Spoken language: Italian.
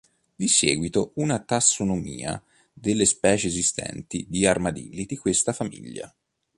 Di seguito una tassonomia delle specie esistenti di armadilli di questa famiglia.